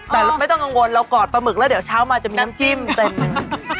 แต่ไม่ต้องกังวลเรากอดปลาหมึกแล้วเดี๋ยวเช้ามาจะมีน้ำจิ้มเต็มหนึ่ง